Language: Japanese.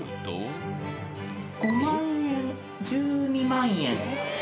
５万円１２万円。